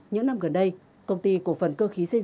những năm gần đây công ty cổ phần cơ khí xây dựng cpt việt nam